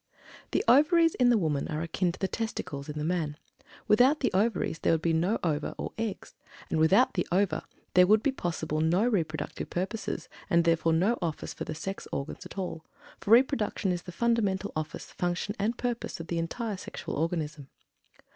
The Ovaries in the woman are akin to the testicles in the man. Without the Ovaries there would be no ova or eggs, and without the ova there would be possible no reproductive purposes, and therefore no office for the sex organs at all, for reproduction is the fundamental office, function, and purpose of the entire sexual organism.